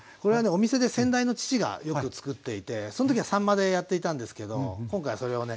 お店で先代の父がよくつくっていてその時はさんまでやっていたんですけど今回はそれをね